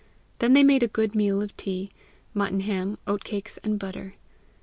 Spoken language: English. Then they made a good meal of tea, mutton ham, oatcakes and butter.